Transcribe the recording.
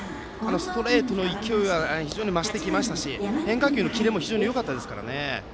ストレートの勢いが非常に増してきましたし変化球のキレもよかったですよね。